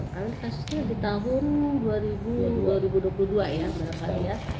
kasusnya di tahun dua ribu dua puluh dua ya